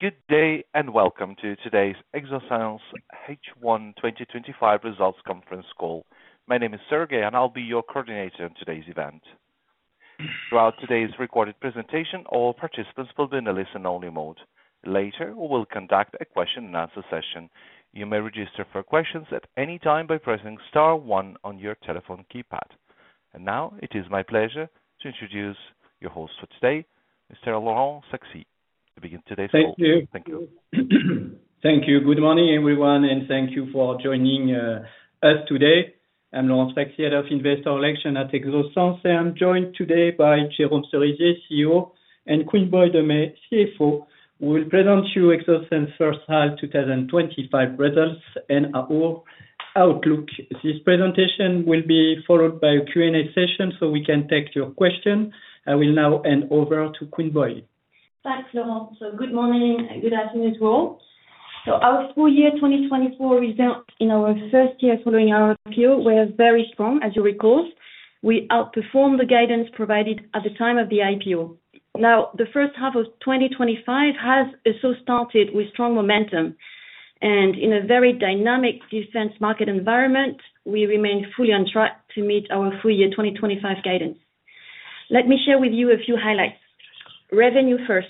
Good day and welcome to today's Exosens H1 2025 results conference call. My name is Sergei, and I'll be your coordinator on today's event. Throughout today's recorded presentation, all participants will be in a listen-only mode. Later, we'll conduct a question-and-answer session. You may register for questions at any time by pressing star one on your telephone keypad. It is my pleasure to introduce your host for today, Mr. Laurent Sfaxi, to begin today's call. Thank you. Thank you. Thank you. Good morning, everyone, and thank you for joining us today. I'm Laurent Sfaxi, Head of Investor Relations at Exosens, and I'm joined today by Jérôme Cerisier, CEO, and Quynh-Boi Demey, CFO. We'll present you Exosens H1 2025 results and our outlook. This presentation will be followed by a Q&A session, so we can take your questions. I will now hand over to Quynh-Boi. Thanks, Laurent. Good morning and good afternoon to all. Our full year 2024 results, in our first year following our IPO, were very strong, as you recall. We outperformed the guidance provided at the time of the IPO. Now, the first half of 2025 has also started with strong momentum, and in a very dynamic defense market environment, we remain fully on track to meet our full year 2025 guidance. Let me share with you a few highlights. Revenue first.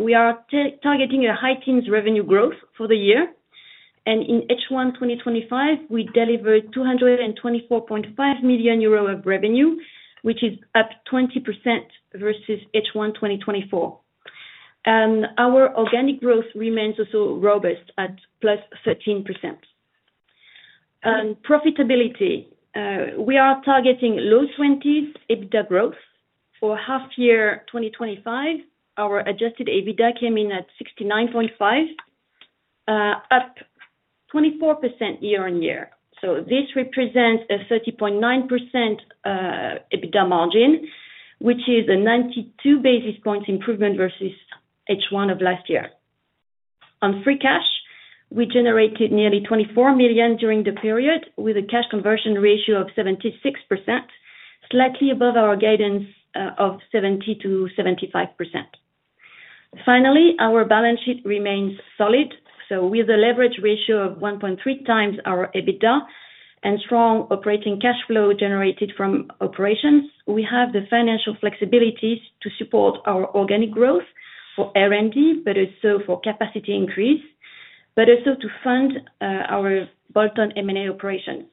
We are targeting a high teens revenue growth for the year, and in H1 2025, we delivered 224.5 million euros of revenue, which is up 20% versus H1 2024. Our organic growth remains also robust at +13%. Profitability. We are targeting low 20s EBITDA growth for half year 2025. Our adjusted EBITDA came in at 69.5 million, up 24% year-on-year. This represents a 30.9% EBITDA margin, which is a 92 basis points improvement versus H1 of last year. On free cash, we generated nearly 24 million during the period, with a cash conversion ratio of 76%, slightly above our guidance of 70% to 75%. Finally, our balance sheet remains solid. With a leverage ratio of 1.3x our EBITDA and strong operating cash flow generated from operations, we have the financial flexibilities to support our organic growth for R&D, but also for capacity increase, and also to fund our bolt-on M&A operations.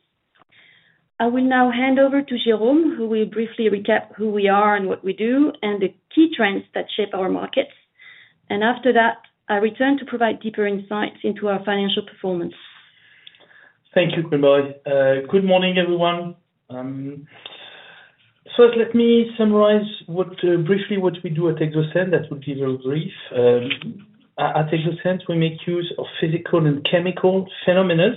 I will now hand over to Jérôme, who will briefly recap who we are and what we do, and the key trends that shape our markets. After that, I'll return to provide deeper insights into our financial performance. Thank you, Quynh-Boi. Good morning, everyone. First, let me summarize briefly what we do at Exosens. That will be very brief. At Exosens, we make use of physical and chemical phenomena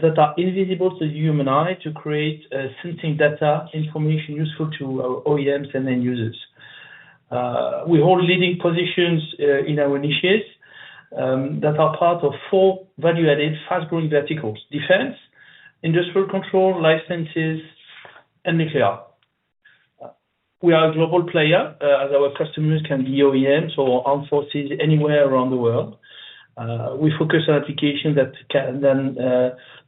that are invisible to the human eye to create sensing data information useful to our OEMs and end users. We hold leading positions in our niches that are part of four value-added fast-growing verticals: defense, industrial control, licenses, and nuclear. We are a global player, as our customers can be OEMs or armed forces anywhere around the world. We focus on applications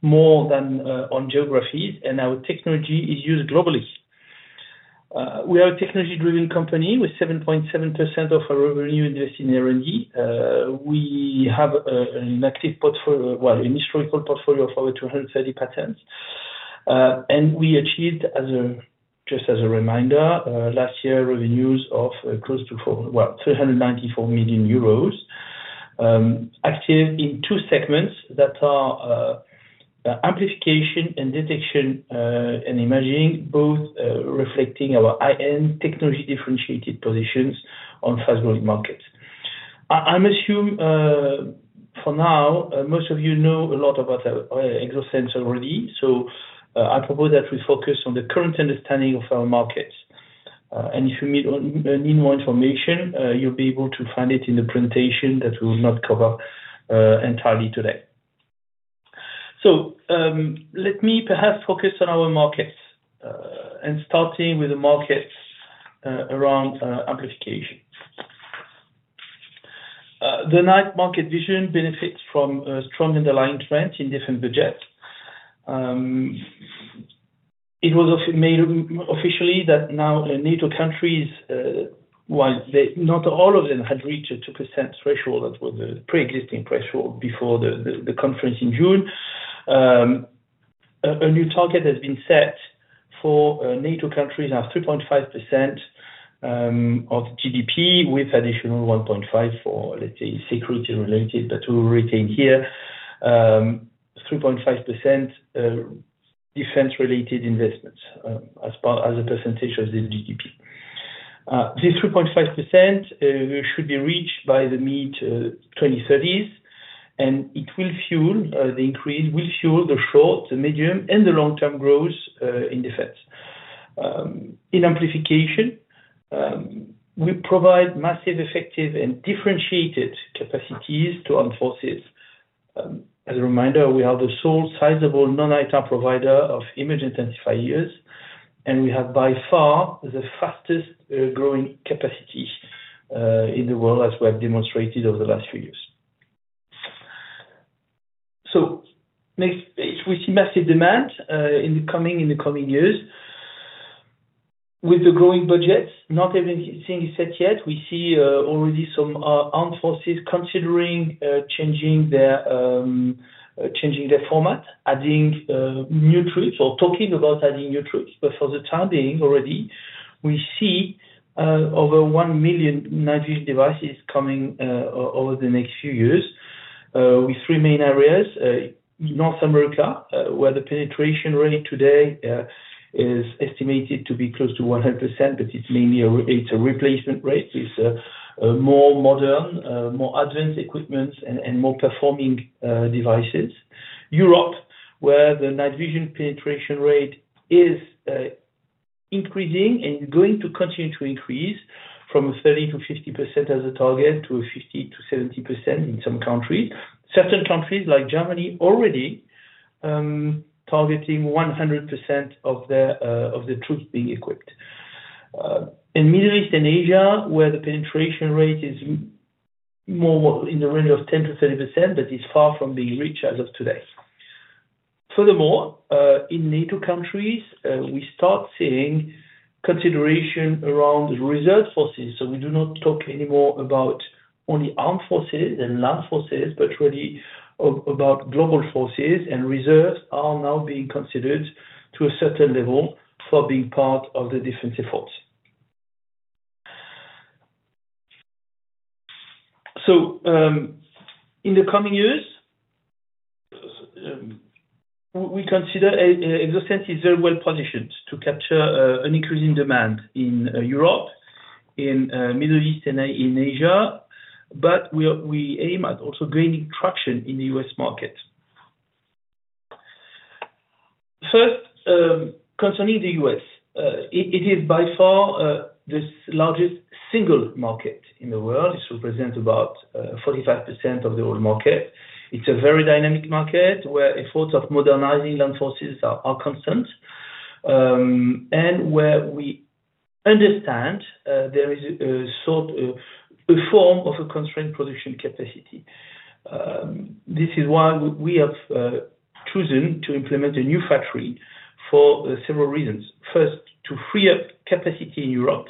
more than on geographies, and our technology is used globally. We are a technology-driven company with 7.7% of our revenue invested in R&D. We have an active portfolio, a historical portfolio of over 230 patents. We achieved, just as a reminder, last year revenues of close to 394 million euros, active in two segments that are amplification and detection and imaging, both reflecting our high-end technology-differentiated positions on fast-growing markets. I assume for now, most of you know a lot about Exosens already, so I propose that we focus on the current understanding of our markets. If you need more information, you'll be able to find it in the presentation that we will not cover entirely today. Let me perhaps focus on our markets, starting with the markets around amplification. The night vision market benefits from a strong underlying trend in defense budget. It was made official that now NATO countries, while not all of them had reached a 2% threshold, that was a pre-existing threshold before the conference in June, a new target has been set for NATO countries of 3.5% of GDP, with additional 1.5% for, let's say, security-related, but we'll retain here 3.5% defense-related investments as a percentage of the GDP. This 3.5% should be reached by the mid-2030s, and it will fuel the increase, will fuel the short, the medium, and the long-term growth in defense. In amplification, we provide massive, effective, and differentiated capacities to armed forces. As a reminder, we are the sole sizable non-ITAR provider of image intensifiers, and we have by far the fastest growing capacity in the world, as we have demonstrated over the last few years. Next page, we see massive demand in the coming years. With the growing budgets, not everything is set yet. We see already some armed forces considering changing their format, adding new troops, or talking about adding new troops. For the time being, already, we see over 1 million navigation devices coming over the next few years, with three main areas: North America, where the penetration rate today is estimated to be close to 100%, but it's mainly a replacement rate with more modern, more advanced equipment, and more performing devices. Europe, where the night vision penetration rate is increasing and going to continue to increase from a 30%-50% as a target to a 50%-70% in some countries. Certain countries, like Germany, already targeting 100% of the troops being equipped. In the Middle East and Asia, where the penetration rate is more in the range of 10 %-30%, it's far from being reached as of today. Furthermore, in NATO countries, we start seeing consideration around reserve forces. We do not talk anymore about only armed forces and land forces, but really about global forces, and reserves are now being considered to a certain level for being part of the defense efforts. In the coming years, we consider Exosens is very well positioned to capture an increasing demand in Europe, in the Middle East, and in Asia, but we aim at also gaining traction in the U.S. market. First, concerning the U.S., it is by far the largest single market in the world. It represents about 45% of the whole market. It's a very dynamic market where efforts of modernizing land forces are constant and where we understand there is a sort of a form of a constrained production capacity. This is why we have chosen to implement a new factory for several reasons. First, to free up capacity in Europe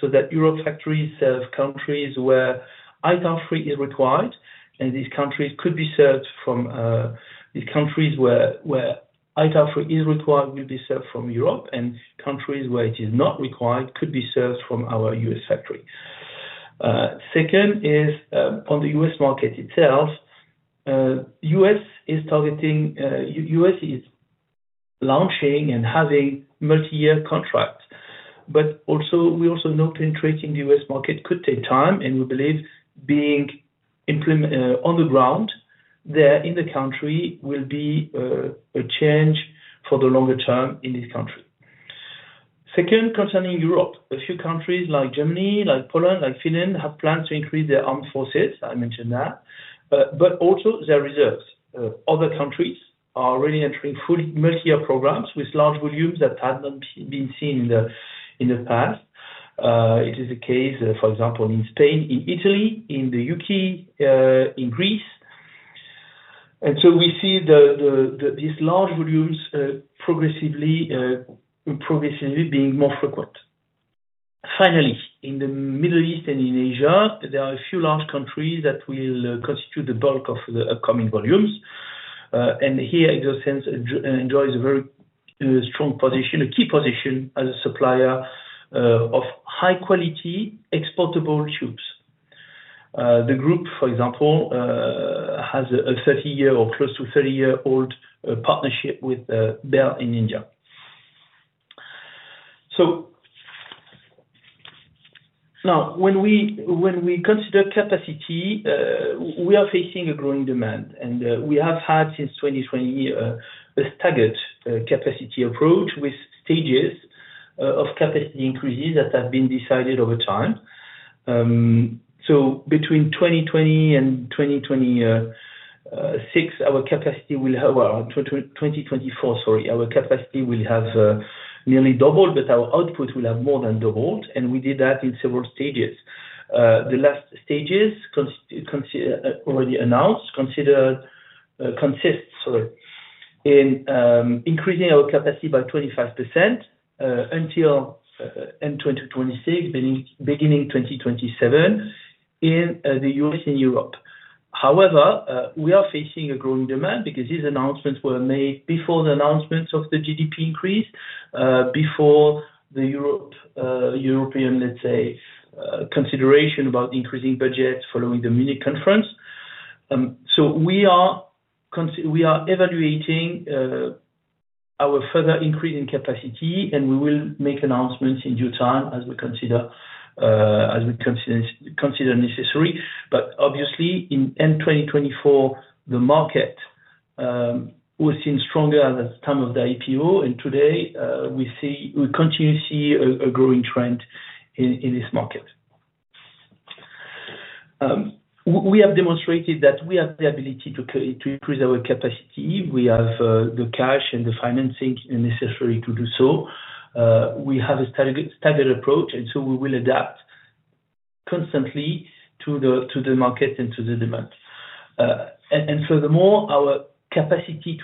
so that Europe factories serve countries where ITAR free is required, and these countries could be served from these countries where ITAR free is required will be served from Europe, and countries where it is not required could be served from our U.S. factory. Second is on the U.S. market itself. U.S. is targeting, U.S. is launching and having multi-year contracts. We also know penetrating the U.S. market could take time, and we believe being on the ground there in the country will be a change for the longer term in this country. Second, concerning Europe, a few countries like Germany, like Poland, like Finland have plans to increase their armed forces. I mentioned that. Also their reserves. Other countries are already entering fully multi-year programs with large volumes that had not been seen in the past. It is the case, for example, in Spain, in Italy, in the U.K., in Greece. We see these large volumes progressively being more frequent. Finally, in the Middle East and in Asia, there are a few large countries that will constitute the bulk of the upcoming volumes. Here, Exosens enjoys a very strong position, a key position as a supplier of high-quality exportable tubes. The group, for example, has a 30-year or close to 30-year-old partnership with Bell in India. Now, when we consider capacity, we are facing a growing demand. We have had, since 2020, a staggered capacity approach with stages of capacity increases that have been decided over time. Between 2020 and 2024, our capacity will have nearly doubled, but our output will have more than doubled. We did that in several stages. The last stages already announced consist in increasing our capacity by 25% until end 2026, beginning 2027, in the U.S. and Europe. However, we are facing a growing demand because these announcements were made before the announcements of the GDP increase, before the European, let's say, consideration about increasing budgets following the Munich conference. We are evaluating our further increase in capacity, and we will make announcements in due time as we consider necessary. Obviously, in end 2024, the market was seen stronger at the time of the IPO, and today, we continue to see a growing trend in this market. We have demonstrated that we have the ability to increase our capacity. We have the cash and the financing necessary to do so. We have a staggered approach, and we will adapt constantly to the market and to the demand. Furthermore, our ability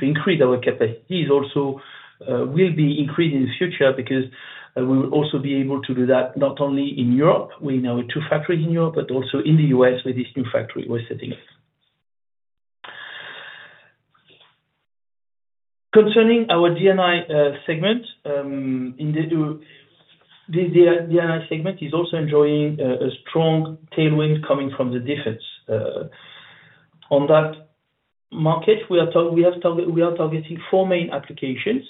to increase our capacity will be increased in the future because we will also be able to do that not only in Europe, in our two factories in Europe, but also in the U.S. where this new factory was setting up. Concerning our DNI segment, the DNI segment is also enjoying a strong tailwind coming from the defense. On that market, we are targeting four main applications.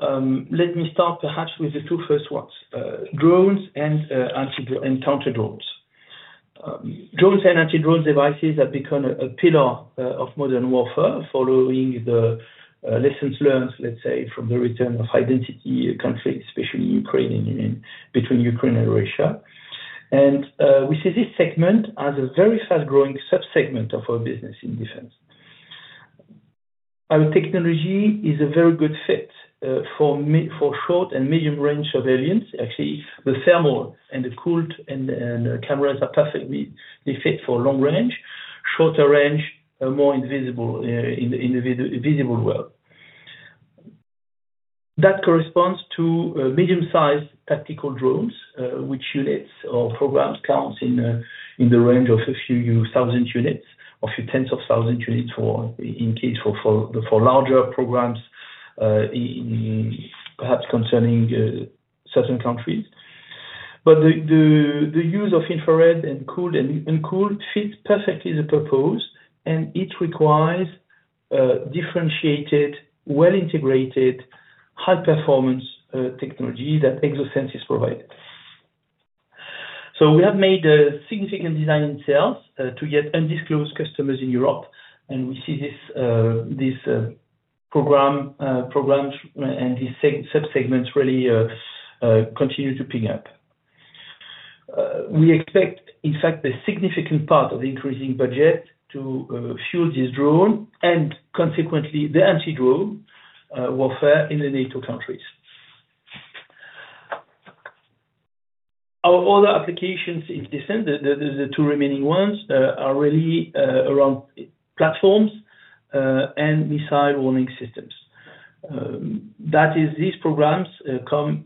Let me start perhaps with the two first ones: drones and counter drones. Drones and anti-drone devices have become a pillar of modern warfare following the lessons learned from the return of identity conflicts, especially between Ukraine and Russia. We see this segment as a very fast-growing subsegment of our business in defense. Our technology is a very good fit for short and medium-range surveillance. Actually, the thermal and the cooled and the cameras are perfectly fit for long range. Shorter range, more invisible in the visible world. That corresponds to medium-sized tactical drones, which units or programs count in the range of a few thousand units, a few tens of thousand units in case for larger programs, perhaps concerning certain countries. The use of infrared and cooled and cooled fits perfectly the purpose, and it requires differentiated, well-integrated, high-performance technology that Exosens is providing. We have made a significant design in sales to get undisclosed customers in Europe, and we see this program and these subsegments really continue to pick up. We expect, in fact, a significant part of the increasing budget to fuel this drone and, consequently, the anti-drone warfare in the NATO countries. Our other applications in defense, the two remaining ones, are really around platforms and missile warning systems. These programs come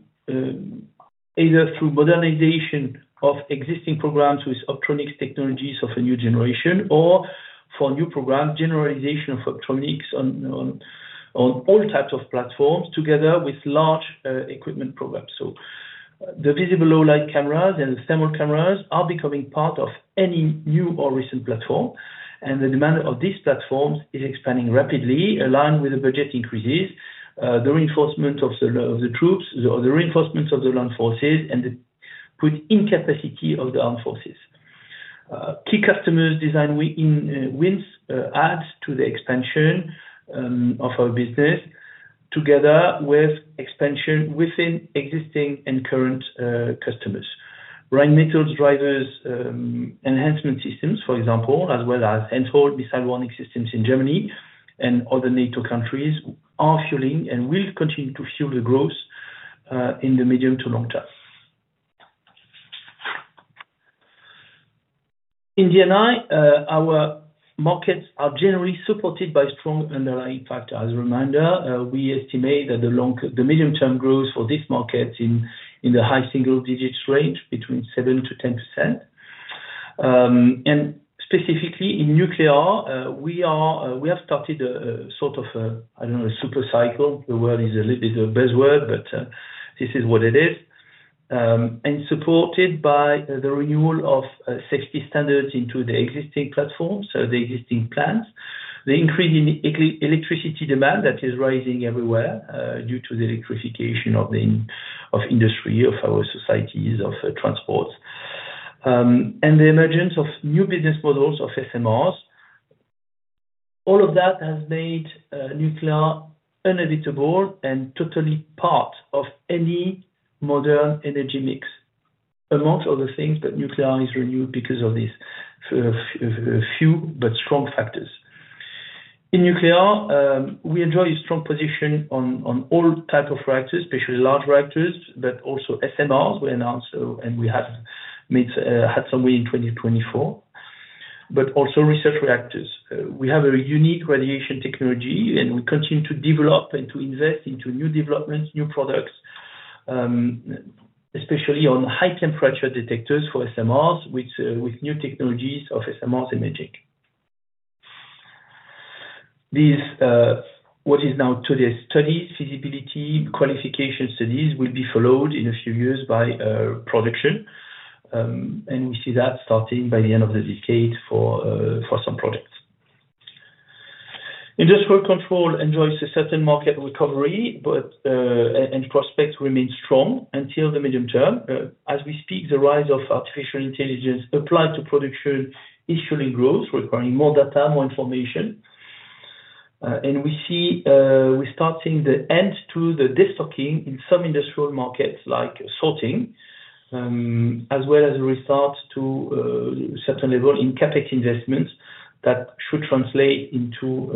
either through modernization of existing programs with optronics technologies of a new generation or, for new programs, generalization of optronics on all types of platforms together with large equipment programs. The visible low-light cameras and the thermal cameras are becoming part of any new or recent platform, and the demand of these platforms is expanding rapidly, aligned with the budget increases, the reinforcement of the troops, the reinforcement of the land forces, and the put in capacity of the armed forces. Key customers design wins add to the expansion of our business, together with expansion within existing and current customers. Rheinmetall's driver's enhancement systems, for example, as well as handheld missile warning systems in Germany and other NATO countries, are fueling and will continue to fuel the growth in the medium to long term. In DNI, our markets are generally supported by strong underlying factors. As a reminder, we estimate that the medium-term growth for these markets is in the high single-digit range between 7%-10%. Specifically in nuclear, we have started a sort of, I don't know, a supercycle. The word is a little bit of a buzzword, but this is what it is. Supported by the renewal of safety standards into the existing platforms, the existing plans, the increase in electricity demand that is rising everywhere due to the electrification of the industry, of our societies, of transports, and the emergence of new business models of SMRs, all of that has made nuclear inevitable and totally part of any modern energy mix, amongst other things, but nuclear is renewed because of these few but strong factors. In nuclear, we enjoy a strong position on all types of reactors, especially large reactors, but also SMRs we announced, and we had some win in 2024, but also research reactors. We have a unique radiation technology, and we continue to develop and to invest into new developments, new products, especially on high-temperature detectors for SMRs with new technologies of SMRs emerging. These, what is now today's studies, feasibility, qualification studies, will be followed in a few years by production, and we see that starting by the end of the decade for some projects. Industrial control enjoys a certain market recovery, but prospects remain strong until the medium term. As we speak, the rise of artificial intelligence applied to production is fueling growth, requiring more data, more information. We see we're starting the end to the destocking in some industrial markets, like sorting, as well as a restart to a certain level in CapEx investments that should translate into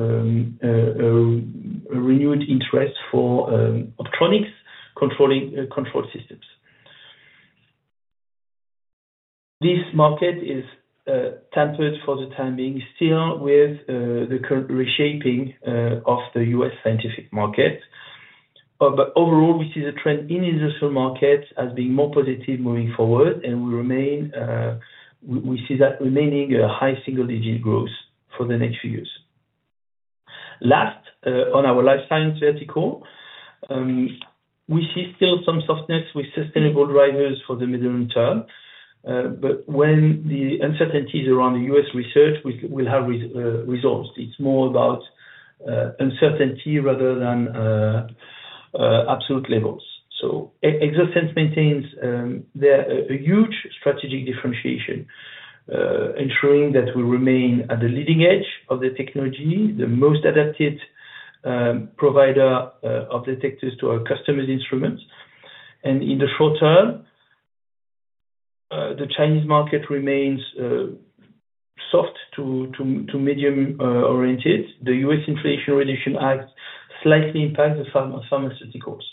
a renewed interest for optronics controlling control systems. This market is tempered for the time being, still with the current reshaping of the U.S. scientific market. Overall, we see the trend in the industrial market as being more positive moving forward, and we see that remaining a high single-digit growth for the next few years. Last, on our life science vertical, we see still some softness with sustainable drivers for the medium term. When the uncertainties around the U.S. research will have resolved, it's more about uncertainty rather than absolute levels. Exosens maintains a huge strategic differentiation, ensuring that we remain at the leading edge of the technology, the most adapted provider of detectors to our customers' instruments. In the short term, the Chinese market remains soft to medium-oriented. The U.S. Inflation Reduction Act slightly impacts the pharmaceuticals.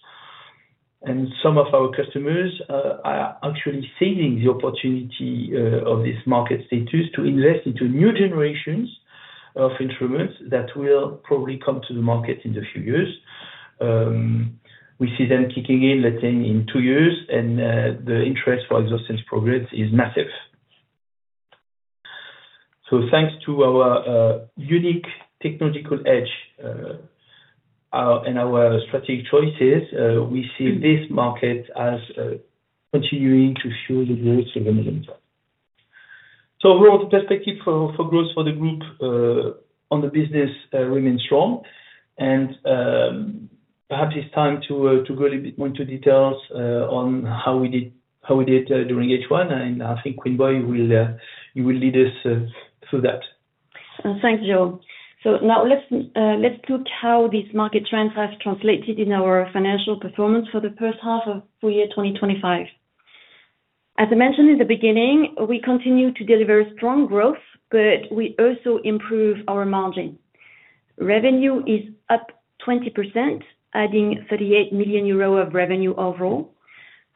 Some of our customers are actually seizing the opportunity of this market status to invest into new generations of instruments that will probably come to the market in a few years. We see them kicking in, let's say, in two years, and the interest for Exosens progress is massive. Thanks to our unique technological edge and our strategic choices, we see this market as continuing to fuel the growth of the medium term. Overall, the perspective for growth for the group on the business remains strong. Perhaps it's time to go a little bit more into details on how we did during H1. I think, Quynh-Boi, you will lead us through that. Thanks, Jérôme. Now let's look at how these market trends have translated in our financial performance for the first half of full year 2025. As I mentioned in the beginning, we continue to deliver strong growth, but we also improve our margin. Revenue is up 20%, adding 38 million euro of revenue overall,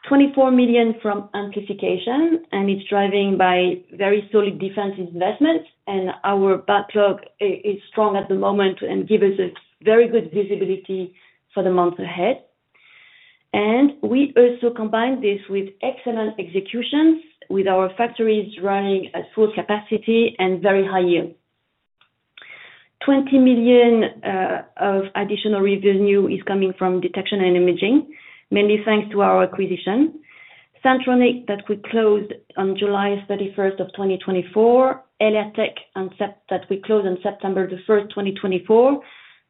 24 million from amplification, and it's driven by very solid defense investments. Our backlog is strong at the moment and gives us a very good visibility for the months ahead. We also combine this with excellent execution, with our factories running at full capacity and very high yield. 20 million of additional revenue is coming from detection and imaging, mainly thanks to our acquisition: Sandtronic, that we closed on July 31st, 2024, EliaTech, that we closed on September 1st, 2024,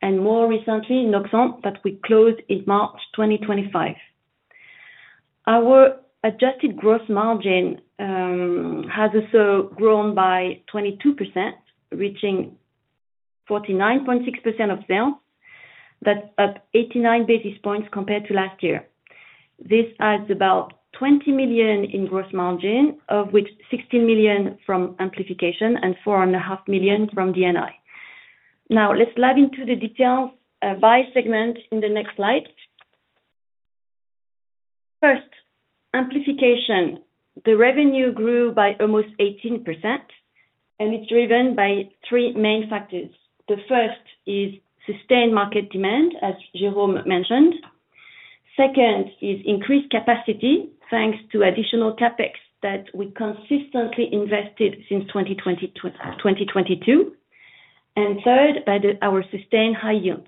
and more recently, Noxant, that we closed in March 2025. Our adjusted gross margin has also grown by 22%, reaching 49.6% of sales. That's up 89 basis points compared to last year. This adds about 20 million in gross margin, of which 16 million from amplification and 4.5 million from DNI. Now, let's dive into the details by segment in the next slide. First, amplification. The revenue grew by almost 18%, and it's driven by three main factors. The first is sustained market demand, as Jérôme mentioned. Second is increased capacity, thanks to additional CapEx that we consistently invested since 2022. Third, by our sustained high yields.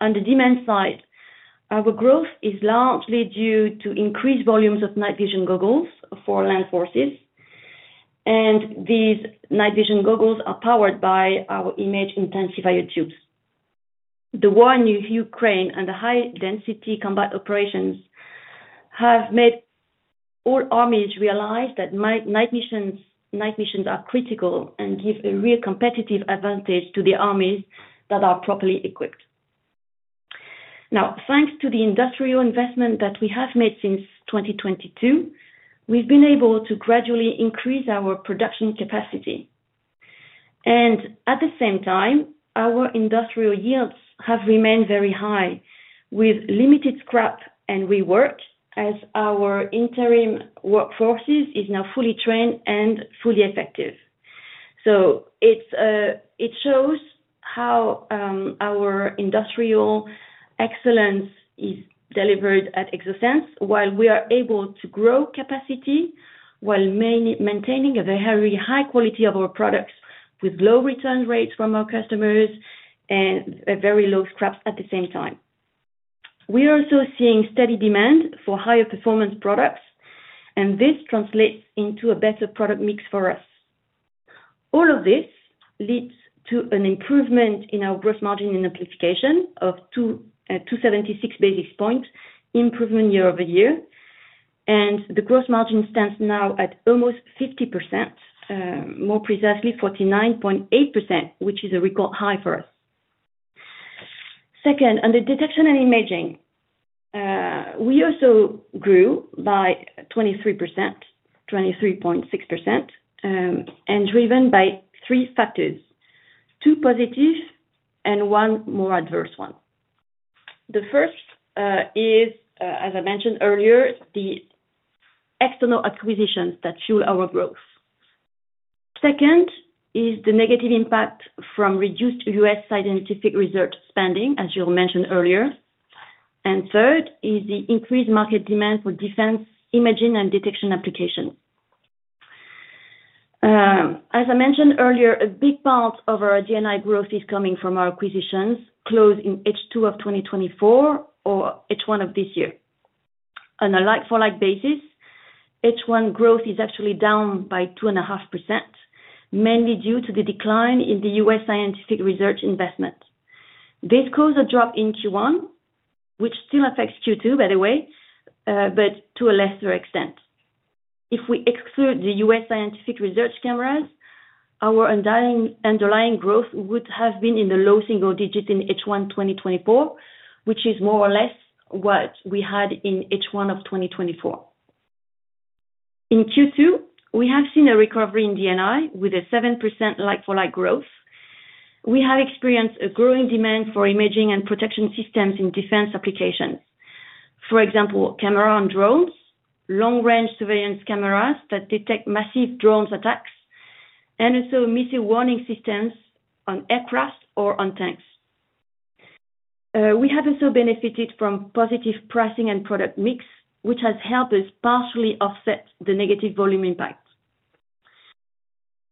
On the demand side, our growth is largely due to increased volumes of night vision goggles for land forces. These night vision goggles are powered by our image intensifier tubes. The war in Ukraine and the high-density combat operations have made all armies realize that night missions are critical and give a real competitive advantage to the armies that are properly equipped. Thanks to the industrial investment that we have made since 2022, we've been able to gradually increase our production capacity. At the same time, our industrial yields have remained very high, with limited scrap and rework, as our interim workforce is now fully trained and fully effective. It shows how our industrial excellence is delivered at Exosens, while we are able to grow capacity while maintaining a very high quality of our products with low return rates from our customers and very low scraps at the same time. We are also seeing steady demand for higher performance products, and this translates into a better product mix for us. All of this leads to an improvement in our gross margin in amplification of 276 basis points, improvement year over year. The gross margin stands now at almost 50%, more precisely 49.8%, which is a record high for us. Second, under detection and imaging, we also grew by 23%, 23.6%, and driven by three factors: two positive and one more adverse one. The first is, as I mentioned earlier, the external acquisitions that fuel our growth. Second is the negative impact from reduced U.S. scientific research spending, as Jérôme mentioned earlier. Third is the increased market demand for defense imaging and detection applications. As I mentioned earlier, a big part of our DNI growth is coming from our acquisitions closed in H2 of 2024 or H1 of this year. On a like-for-like basis, H1 growth is actually down by 2.5%, mainly due to the decline in the U.S. scientific research investment. This caused a drop in Q1, which still affects Q2, by the way, but to a lesser extent. If we exclude the U.S. scientific research cameras, our underlying growth would have been in the low single digit in H1 2024, which is more or less what we had in H1 of 2024. In Q2, we have seen a recovery in DNI with a 7% like-for-like growth. We have experienced a growing demand for imaging and protection systems in defense applications. For example, camera on drones, long-range surveillance cameras that detect massive drone attacks, and also missile warning systems on aircraft or on tanks. We have also benefited from positive pricing and product mix, which has helped us partially offset the negative volume impact.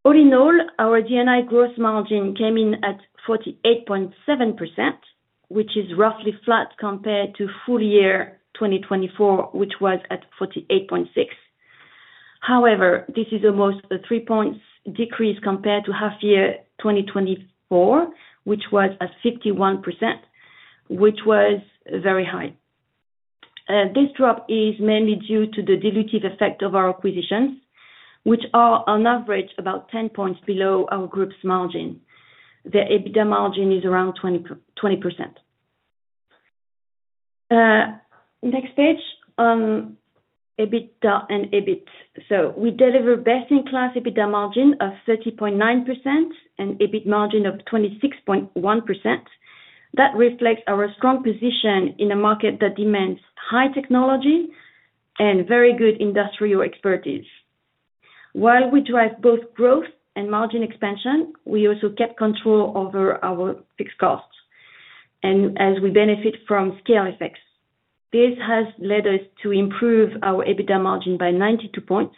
All in all, our DNI gross margin came in at 48.7%, which is roughly flat compared to full year 2024, which was at 48.6%. However, this is almost a three-point decrease compared to half year 2024, which was at 51%, which was very high. This drop is mainly due to the dilutive effect of our acquisitions, which are on average about 10 points below our group's margin. Their EBITDA margin is around 20%. Next page, EBITDA and EBIT. We deliver best-in-class EBITDA margin of 30.9% and EBIT margin of 26.1%. That reflects our strong position in a market that demands high technology and very good industrial expertise. While we drive both growth and margin expansion, we also kept control over our fixed costs and as we benefit from scale effects. This has led us to improve our EBITDA margin by 92 points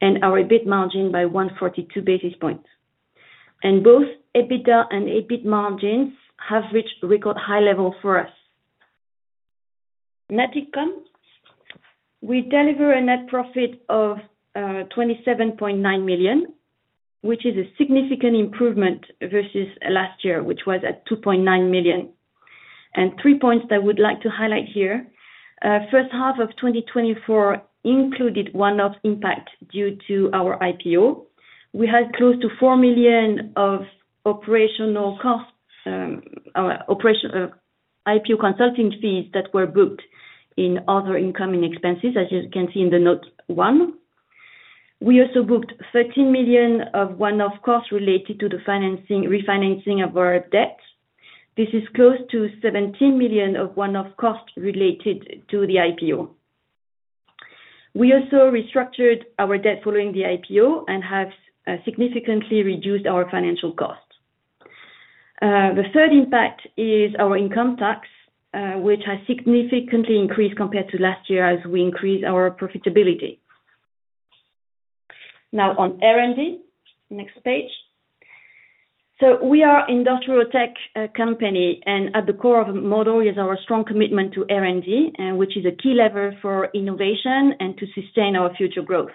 and our EBIT margin by 142 basis points. Both EBITDA and EBIT margins have reached record high levels for us. Net income, we deliver a net profit of $27.9 million, which is a significant improvement versus last year, which was at $2.9 million. Three points that I would like to highlight here. First half of 2024 included one-off impact due to our IPO. We had close to $4 million of operational costs, operational IPO consulting fees that were booked in other incoming expenses, as you can see in the note one. We also booked $13 million of one-off costs related to the refinancing of our debt. This is close to $17 million of one-off costs related to the IPO. We also restructured our debt following the IPO and have significantly reduced our financial costs. The third impact is our income tax, which has significantly increased compared to last year as we increased our profitability. Now, on R&D, next page. We are an industrial tech company, and at the core of the model is our strong commitment to R&D, which is a key lever for innovation and to sustain our future growth.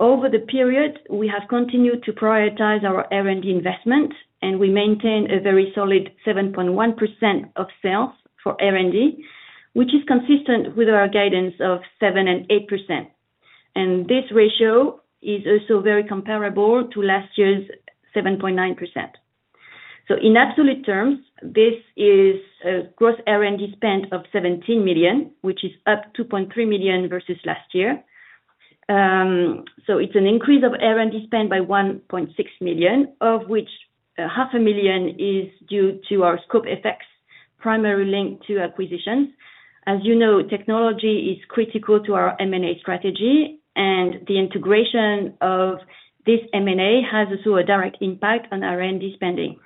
Over the period, we have continued to prioritize our R&D investment, and we maintain a very solid 7.1% of sales for R&D, which is consistent with our guidance of 7% and 8%. This ratio is also very comparable to last year's 7.9%. In absolute terms, this is a gross R&D spend of $17 million, which is up $2.3 million versus last year. It's an increase of R&D spend by $1.6 million, of which half a million is due to our scope effects primarily linked to acquisitions. As you know, technology is critical to our M&A strategy, and the integration of this M&A has also a direct impact on R&D spending.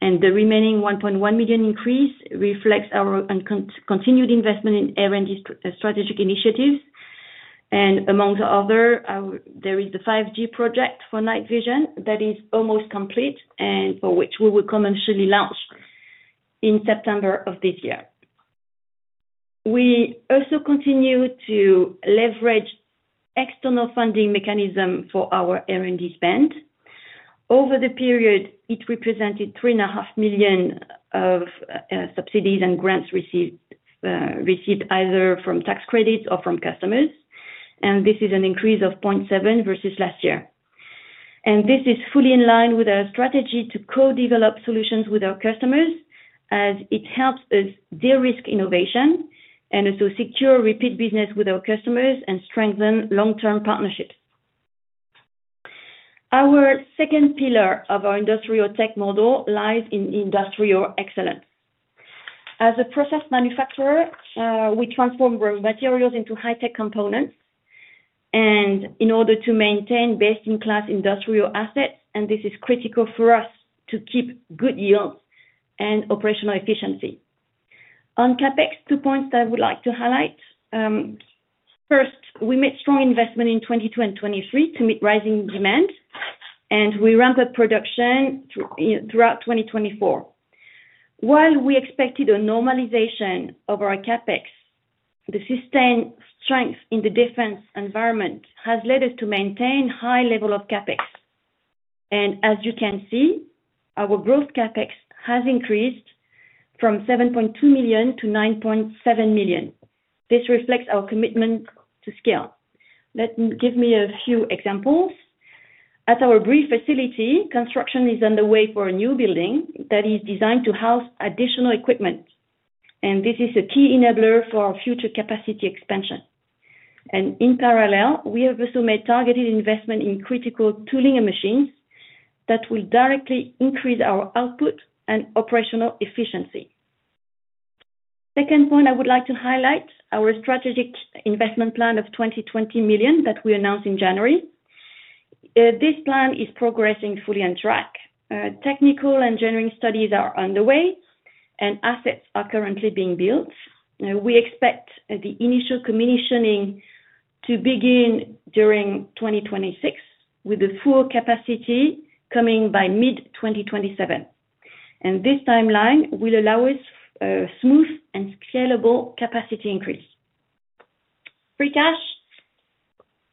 The remaining $1.1 million increase reflects our continued investment in R&D strategic initiatives. Amongst others, there is the 5G night vision project that is almost complete and for which we will commercially launch in September of this year. We also continue to leverage external funding mechanisms for our R&D spend. Over the period, it represented $3.5 million of subsidies and grants received either from tax credits or from customers. This is an increase of 0.7% versus last year. This is fully in line with our strategy to co-develop solutions with our customers, as it helps us de-risk innovation and also secure repeat business with our customers and strengthen long-term partnerships. Our second pillar of our industrial tech model lies in industrial excellence. As a process manufacturer, we transform raw materials into high-tech components in order to maintain best-in-class industrial assets, and this is critical for us to keep good yields and operational efficiency. On CapEx, two points that I would like to highlight. First, we made strong investment in 2022 and 2023 to meet rising demand, and we ramped up production throughout 2024. While we expected a normalization of our CapEx, the sustained strength in the defense environment has led us to maintain a high level of CapEx. As you can see, our gross CapEx has increased from 7.2 million to 9.7 million. This reflects our commitment to scale. Let me give you a few examples. At our Brive facility, construction is underway for a new building that is designed to house additional equipment. This is a key enabler for future capacity expansion. In parallel, we have also made targeted investment in critical tooling and machines that will directly increase our output and operational efficiency. Second point I would like to highlight: our strategic investment plan of 20 million that we announced in January. This plan is progressing fully on track. Technical engineering studies are underway, and assets are currently being built. We expect the initial commissioning to begin during 2026, with the full capacity coming by mid-2027. This timeline will allow us a smooth and scalable capacity increase. Free cash,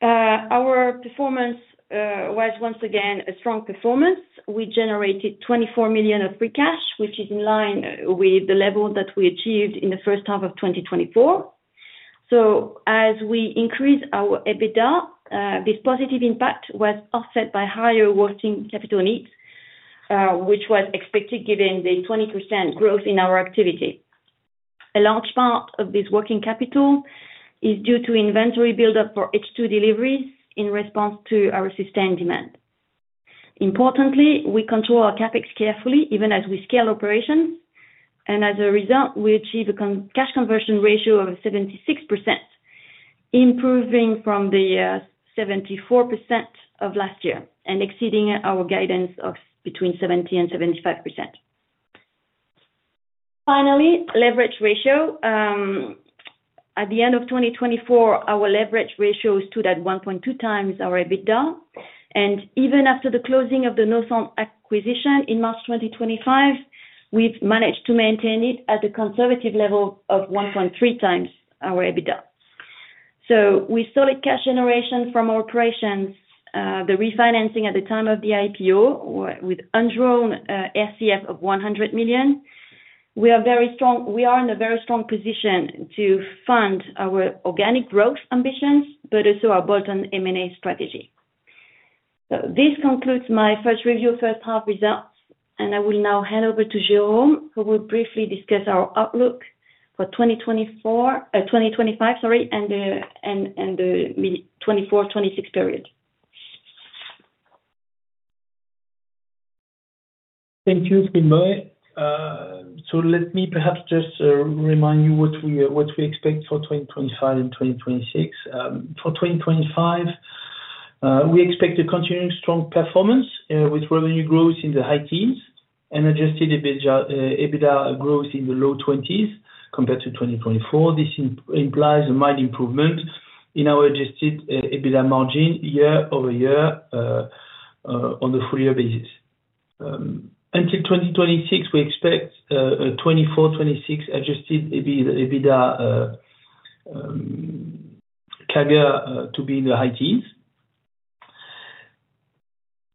our performance was once again a strong performance. We generated 24 million of free cash, which is in line with the level that we achieved in the first half of 2024. As we increase our EBITDA, this positive impact was offset by higher working capital needs, which was expected given the 20% growth in our activity. A large part of this working capital is due to inventory buildup for H2 deliveries in response to our sustained demand. Importantly, we control our CapEx carefully, even as we scale operations. As a result, we achieve a cash conversion ratio of 76%, improving from the 74% of last year and exceeding our guidance of between 70% and 75%. Finally, leverage ratio. At the end of 2024, our leverage ratio stood at 1.2x our EBITDA. Even after the closing of the Noxant acquisition in March 2025, we've managed to maintain it at a conservative level of 1.3x our EBITDA. With solid cash generation from our operations, the refinancing at the time of the IPO with undrawn RCF of 100 million, we are in a very strong position to fund our organic growth ambitions, but also our bolt-on M&A strategy. This concludes my first review of first half results, and I will now hand over to Jérôme, who will briefly discuss our outlook for 2025, sorry, and the 2024-2026 period. Thank you, Quynh-Boi. Let me perhaps just remind you what we expect for 2025 and 2026. For 2025, we expect a continuing strong performance with revenue growth in the high teens and adjusted EBITDA growth in the low 20s compared to 2024. This implies a mild improvement in our adjusted EBITDA margin year over year on the full-year basis. Until 2026, we expect a 2024-2026 adjusted EBITDA CAGR to be in the high teens.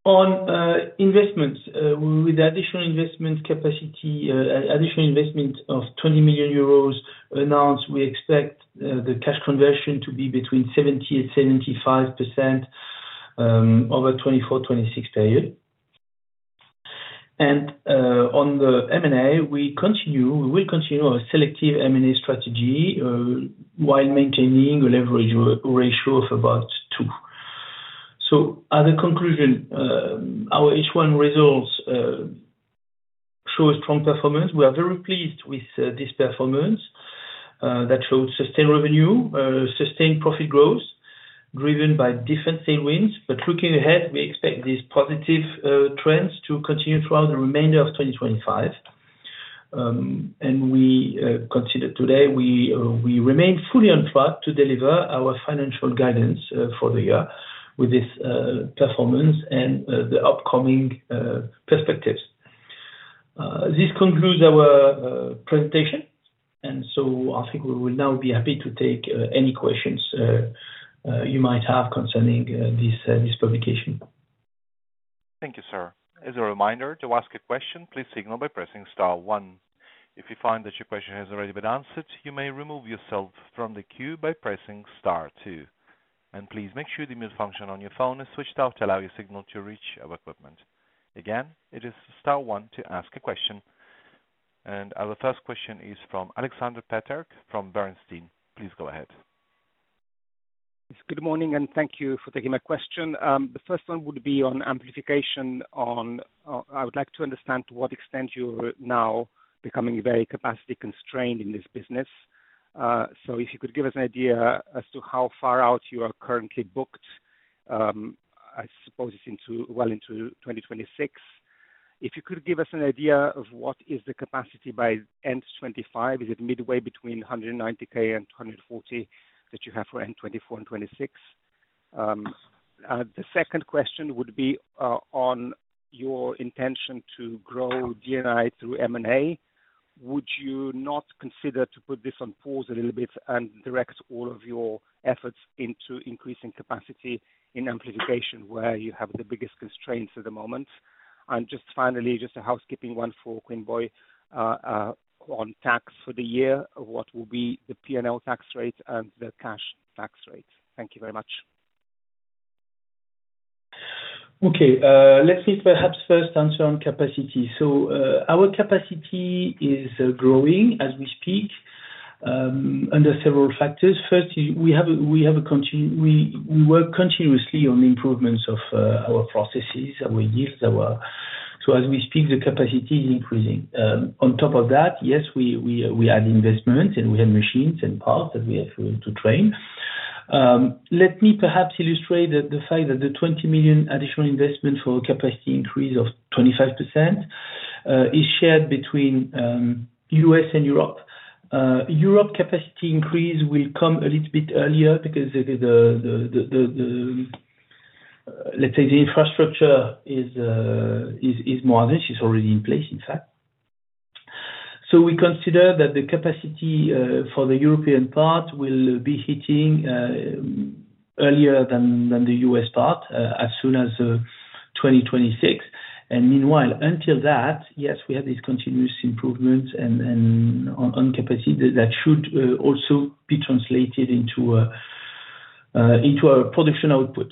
On investments, with additional investment capacity, additional investment of 20 million euros announced, we expect the cash conversion to be between 70% and 75% over the 2024-2026 period. On the M&A, we will continue our selective M&A strategy while maintaining a leverage ratio of about 2x. As a conclusion, our H1 results show a strong performance. We are very pleased with this performance that showed sustained revenue, sustained profit growth driven by different sale wins. Looking ahead, we expect these positive trends to continue throughout the remainder of 2025. We consider today we remain fully on track to deliver our financial guidance for the year with this performance and the upcoming perspectives. This concludes our presentation. I think we will now be happy to take any questions you might have concerning this publication. Thank you, sir. As a reminder, to ask a question, please signal by pressing star one. If you find that your question has already been answered, you may remove yourself from the queue by pressing star two. Please make sure the mute function on your phone is switched off to allow your signal to reach our equipment. Again, it is star one to ask a question. Our first question is from Alexander Peterc from Bernstein. Please go ahead. Yes, good morning, and thank you for taking my question. The first one would be on amplification. I would like to understand to what extent you're now becoming very capacity-constrained in this business. If you could give us an idea as to how far out you are currently booked, I suppose it's well into 2026. If you could give us an idea of what is the capacity by end 2025, is it midway between 190,000 and 240,000 that you have for end 2024 and 2026? The second question would be on your intention to grow DNI through M&A. Would you not consider to put this on pause a little bit and direct all of your efforts into increasing capacity in amplification where you have the biggest constraints at the moment? Finally, just a housekeeping one for Quynh-Boi, on tax for the year, what will be the P&L tax rate and the cash tax rate? Thank you very much. Okay, let me perhaps first answer on capacity. Our capacity is growing as we speak under several factors. First, we work continuously on the improvements of our processes, our yields. As we speak, the capacity is increasing. On top of that, yes, we add investments and we add machines and parts that we have to train. Let me perhaps illustrate the fact that the $20 million additional investment for a capacity increase of 25% is shared between the U.S. and Europe. Europe's capacity increase will come a little bit earlier because, let's say, the infrastructure is more advanced. It's already in place, in fact. We consider that the capacity for the European part will be hitting earlier than the U.S. part as soon as 2026. Meanwhile, until that, yes, we have these continuous improvements on capacity that should also be translated into our production output.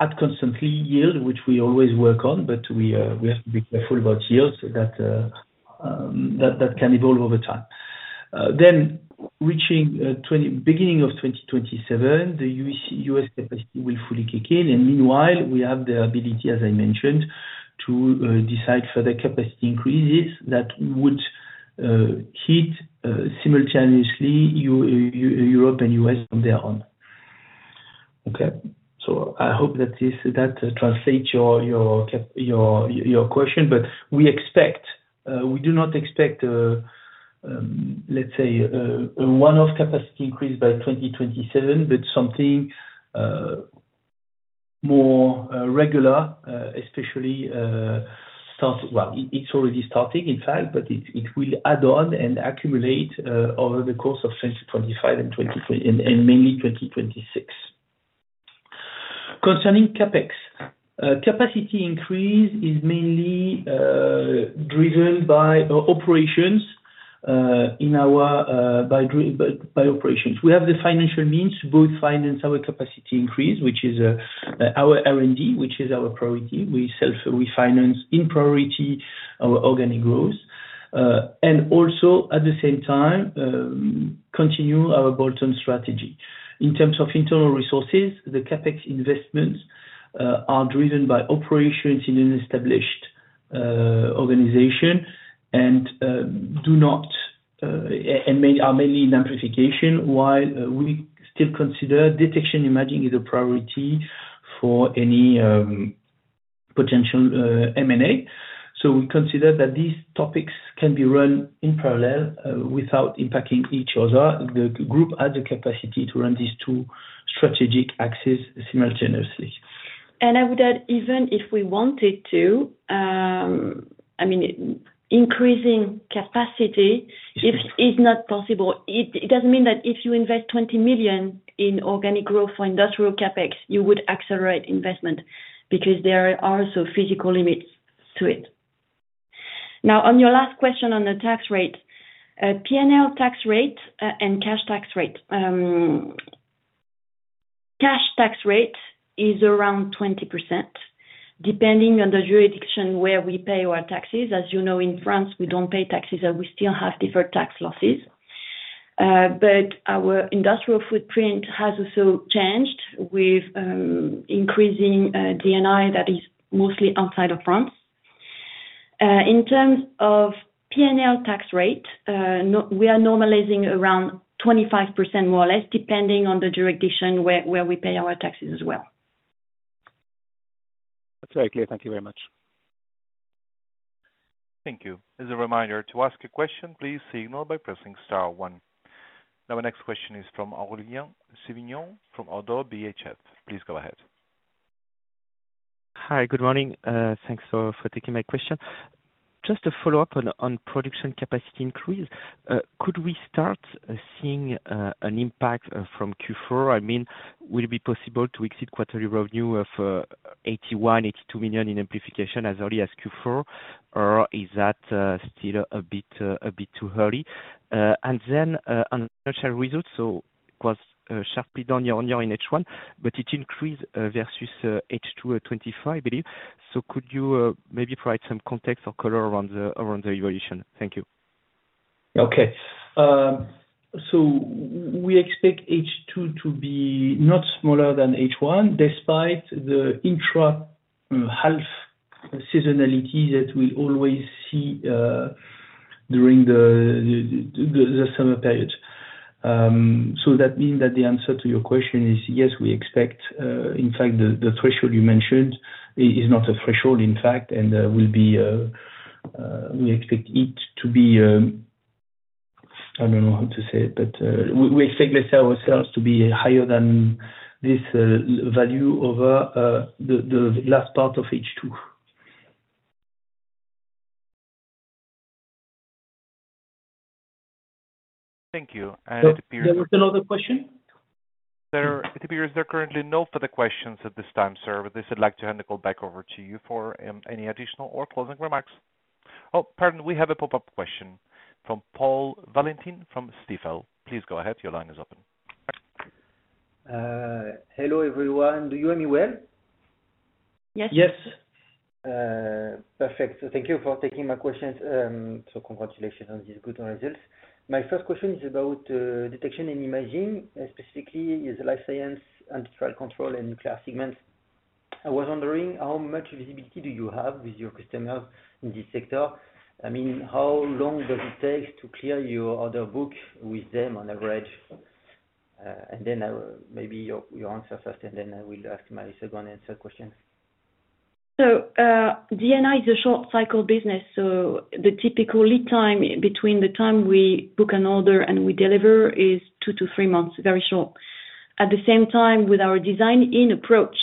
Add constantly yield, which we always work on, but we have to be careful about yields that can evolve over time. Reaching the beginning of 2027, the U.S. capacity will fully kick in. Meanwhile, we have the ability, as I mentioned, to decide further capacity increases that would hit simultaneously Europe and U.S. on their own. I hope that this translates your question, but we do not expect, let's say, a one-off capacity increase by 2027, but something more regular, especially starting. It's already starting, in fact, but it will add on and accumulate over the course of 2025 and mainly 2026. Concerning CapEx, capacity increase is mainly driven by operations. We have the financial means to both finance our capacity increase, which is our R&D, which is our priority. We self-refinance in priority our organic growth and also, at the same time, continue our bolt-on strategy. In terms of internal resources, the CapEx investments are driven by operations in an established organization and are mainly in amplification, while we still consider detection imaging is a priority for any potential M&A. We consider that these topics can be run in parallel without impacting each other. The group has the capacity to run these two strategic axes simultaneously. I would add, even if we wanted to, increasing capacity, if it's not possible, it doesn't mean that if you invest $20 million in organic growth for industrial CapEx, you would accelerate investment because there are also physical limits to it. Now, on your last question on the tax rate, P&L tax rate and cash tax rate, cash tax rate is around 20%, depending on the jurisdiction where we pay our taxes. As you know, in France, we don't pay taxes and we still have deferred tax losses. Our industrial footprint has also changed with increasing DNI that is mostly outside of France. In terms of P&L tax rate, we are normalizing around 25% more or less, depending on the jurisdiction where we pay our taxes as well. That's very clear. Thank you very much. Thank you. As a reminder, to ask a question, please signal by pressing star one. Now, our next question is from Aurélien Sévignon from ODDO BHF. Please go ahead. Hi, good morning. Thanks for taking my question. Just to follow up on production capacity increase, could we start seeing an impact from Q4? I mean, will it be possible to exceed quarterly revenue of $81 million, $82 million in amplification as early as Q4, or is that still a bit too early? On the initial results, it was sharply down year-on-year in H1, but it increased versus H2 at 2025, I believe. Could you maybe provide some context or color around the evolution? Thank you. Okay. We expect H2 to be not smaller than H1, despite the intra-half seasonality that we always see during the summer period. That means that the answer to your question is yes, we expect, in fact, the threshold you mentioned is not a threshold, in fact, and we expect it to be, I don't know how to say it, but we expect ourselves to be higher than this value over the last part of H2. Thank you. There was another question? Is there currently no further questions at this time, sir? With this, I'd like to hand the call back over to you for any additional or closing remarks. Oh, pardon, we have a pop-up question from Paul Valentin from Stifel. Please go ahead. Your line is open. Hello, everyone. Do you hear me well? Yes. Yes. Thank you for taking my questions. Congratulations on these good results. My first question is about detection and imaging, specifically in the life science, industrial control, and nuclear segments. I was wondering how much visibility do you have with your customers in this sector? I mean, how long does it take to clear your order book with them on average? Maybe your answer first, and then I will ask my second question. DNI is a short-cycle business. The typical lead time between the time we book an order and we deliver is two to three months, very short. At the same time, with our design-in approach,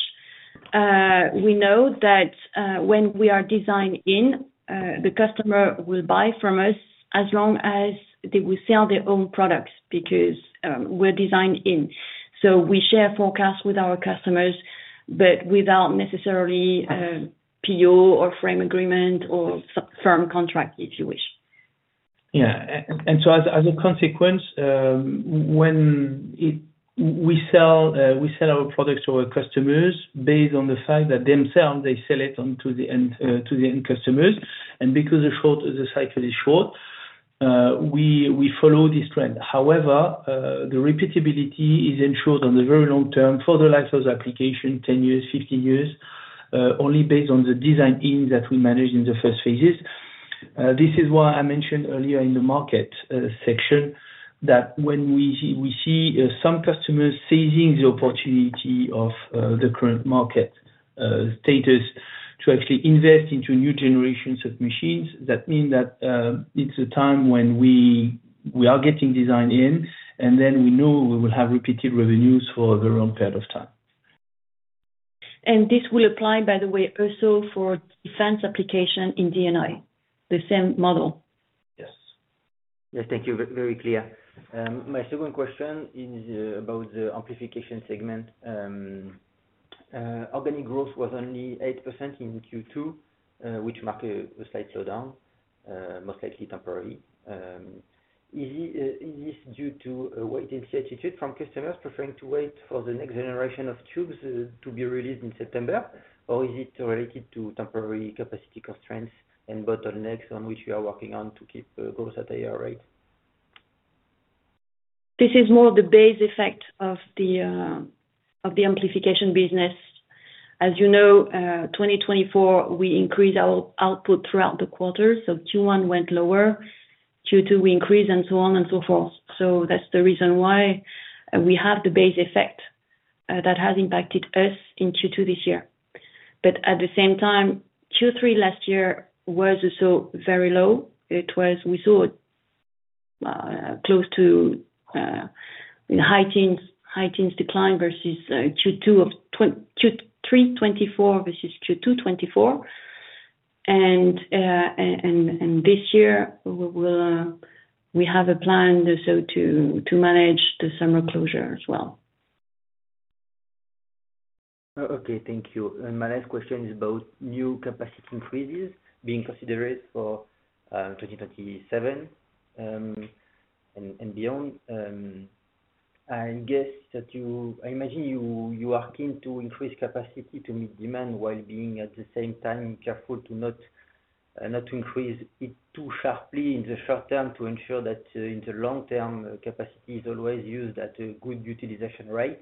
we know that when we are design-in, the customer will buy from us as long as they will sell their own products because we're design-in. We share forecasts with our customers, but without necessarily PO or frame agreement or firm contract, if you wish. Yeah. As a consequence, when we sell our products to our customers based on the fact that themselves they sell it to the end customers, and because the cycle is short, we follow this trend. However, the repeatability is ensured on the very long term for the life of the application, 10 years, 15 years, only based on the design-ins that we manage in the first phases. This is why I mentioned earlier in the market section that when we see some customers seizing the opportunity of the current market status to actually invest into new generations of machines, that means that it's a time when we are getting design-in, and then we know we will have repeated revenues for the long period of time. This will apply, by the way, also for defense application in DNI, the same model. Yes, thank you. Very clear. My second question is about the amplification segment. Organic growth was only 8% in Q2, which marks a slight slowdown, most likely temporary. Is this due to a waiting certitude from customers preferring to wait for the next generation of tubes to be released in September, or is it related to temporary capacity constraints and bottlenecks on which we are working to keep growth at a higher rate? This is more the base effect of the amplification business. As you know, 2024, we increased our output throughout the quarter. Q1 went lower, Q2 we increased, and so on and so forth. That's the reason why we have the base effect that has impacted us in Q2 this year. At the same time, Q3 last year was also very low. We saw close to high teens decline versus Q3 2024 versus Q2 2024. This year, we have a plan also to manage the summer closure as well. Okay, thank you. My next question is about new capacity increases being considered for 2027 and beyond. I imagine you are keen to increase capacity to meet demand while being at the same time careful to not increase it too sharply in the short term to ensure that in the long term, capacity is always used at a good utilization rate.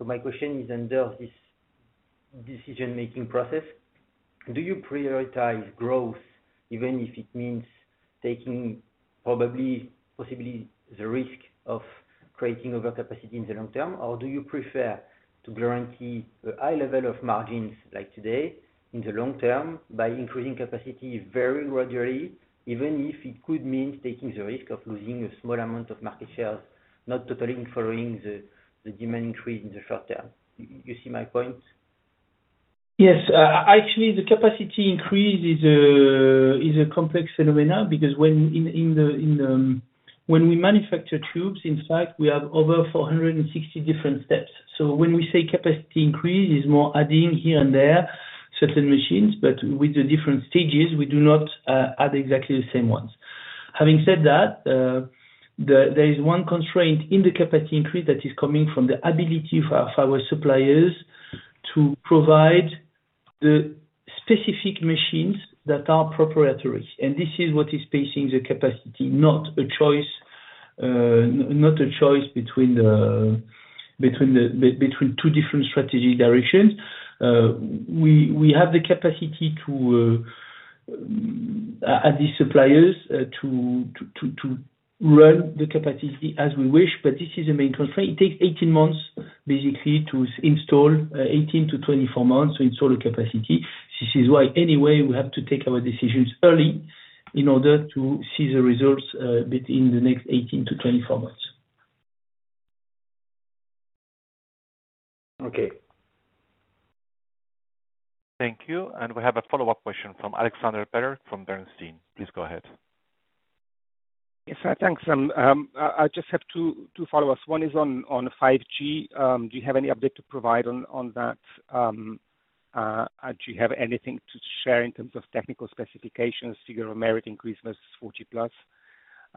My question is, under this decision-making process, do you prioritize growth, even if it means taking probably possibly the risk of creating overcapacity in the long term, or do you prefer to guarantee a high level of margins like today in the long term by increasing capacity very gradually, even if it could mean taking the risk of losing a small amount of market shares, not totally following the demand increase in the short term? Do you see my point? Yes. Actually, the capacity increase is a complex phenomenon because when we manufacture tubes, in fact, we have over 460 different steps. When we say capacity increase, it's more adding here and there certain machines, but with the different stages, we do not add exactly the same ones. Having said that, there is one constraint in the capacity increase that is coming from the ability of our suppliers to provide the specific machines that are proprietary. This is what is facing the capacity, not a choice between two different strategy directions. We have the capacity to add these suppliers to run the capacity as we wish, but this is the main constraint. It takes 18 months, basically, to install, 18 months-24 months to install the capacity. This is why, anyway, we have to take our decisions early in order to see the results within the next 18 months-24 months. Okay. Thank you. We have a follow-up question from Alexander Peterc from Bernstein. Please go ahead. Yes, thanks. I just have two follow-ups. One is on 5G. Do you have any update to provide on that? Do you have anything to share in terms of technical specifications, figure of merit increasements 40+?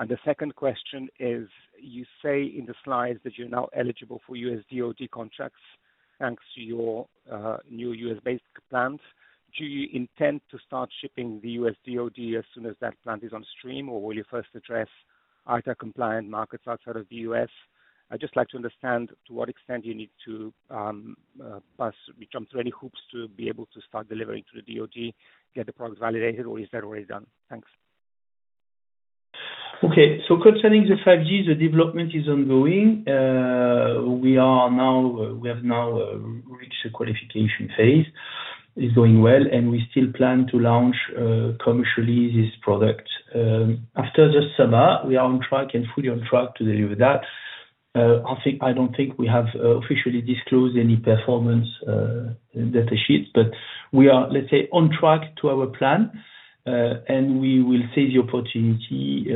The second question is, you say in the slides that you're now eligible for U.S. Department of Defense contracts thanks to your new U.S.-based plant. Do you intend to start shipping the U.S. Department of Defense as soon as that plant is on stream, or will you first address ITAR compliant markets outside of the U.S.? I'd just like to understand to what extent you need to jump through any hoops to be able to start delivering to the Department of Defense, get the products validated, or is that already done? Thanks. Okay. So, concerning the 5G, the development is ongoing. We have now reached the qualification phase. It's going well, and we still plan to launch commercially this product after the summer. We are on track and fully on track to deliver that. I don't think we have officially disclosed any performance data sheets, but we are, let's say, on track to our plan, and we will seize the opportunity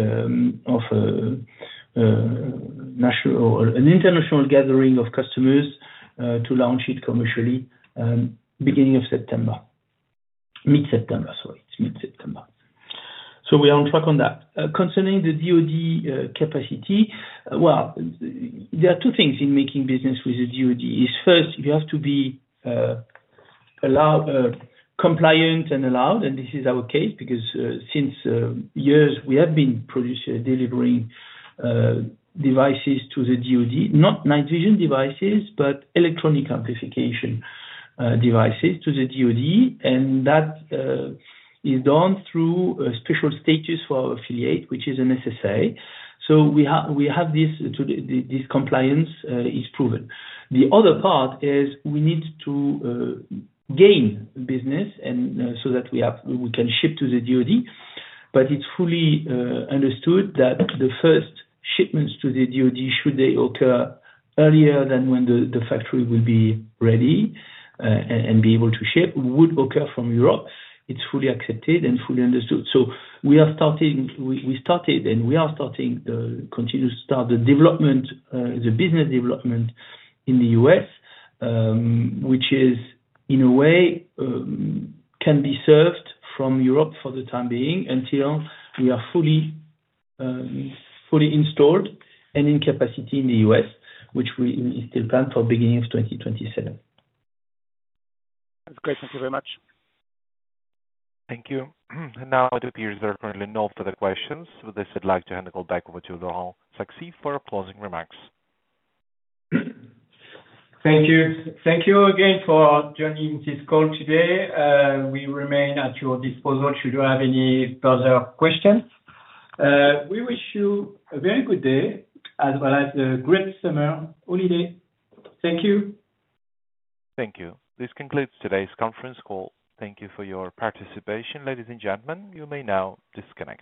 of an international gathering of customers to launch it commercially beginning of September, mid-September, sorry. It's mid-September. We are on track on that. Concerning the DOD capacity, there are two things in making business with the U.S. Department of Defense. First, you have to be compliant and allowed, and this is our case because since years, we have been delivering devices to the U.S. Department of Defense, not night vision devices, but electronic amplification devices to the U.S. Department of Defense. That is done through a special status for our affiliate, which is an SSA. We have this compliance is proven. The other part is we need to gain business so that we can ship to the U.S. Department of Defense. It is fully understood that the first shipments to the U.S. Department of Defense, should they occur earlier than when the factory will be ready and be able to ship, would occur from Europe. It's fully accepted and fully understood. We are starting, we started, and we are starting to continue to start the development, the business development in the U.S., which in a way can be served from Europe for the time being until we are fully installed and in capacity in the U.S., which we still plan for the beginning of 2027. That's great. Thank you very much. Thank you. If there are currently no further questions, I'd like to hand the call back over to Laurent Sfaxi for closing remarks. Thank you. Thank you again for joining this call today. We remain at your disposal should you have any further questions. We wish you a very good day, as well as a great summer holiday. Thank you. Thank you. This concludes today's conference call. Thank you for your participation, ladies and gentlemen. You may now disconnect.